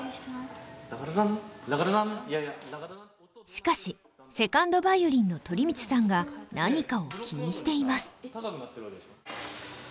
しかし２ｎｄヴァイオリンの鳥光さんが何かを気にしています。